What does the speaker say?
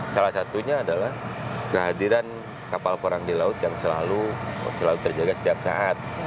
salah satunya adalah kehadiran kapal perang di laut yang selalu terjaga setiap saat